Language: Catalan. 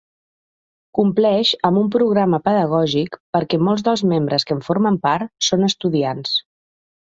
Compleix amb un programa pedagògic perquè molts dels membres que en formen part són estudiants.